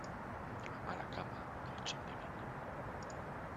A mala cama, colchón de vino.